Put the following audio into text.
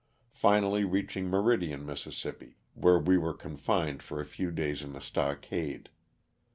finally reaching Meridian, Miss., where we were confined for a few days in a stock ade.